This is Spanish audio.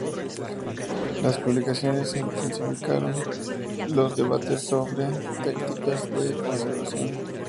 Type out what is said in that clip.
Las publicaciones intensificaron los debates sobre tácticas de conservación.